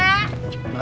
aduh kena lagi